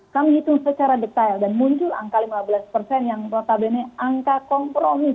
kami hitung secara detail dan muncul angka lima belas yang rotabene angka kompromis